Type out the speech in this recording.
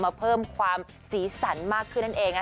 มาเพิ่มความศีรีสันมากขึ้นนั่นเองนะ